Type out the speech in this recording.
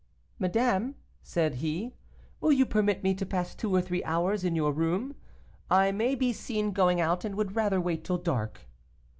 'Madame,' said he, 'will you permit me to pass two or three hours in your room? I may be seen going out, and would rather wait till dark.